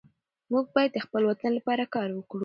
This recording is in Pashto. موږ باید د خپل وطن لپاره کار وکړو.